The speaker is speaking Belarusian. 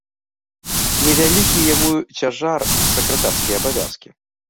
Не вялікі яму цяжар сакратарскія абавязкі.